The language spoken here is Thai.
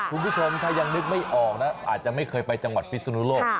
คุณผู้ชมถ้ายังนึกไม่ออกนะอาจจะไม่เคยไปจังหวัดพิศนุโลก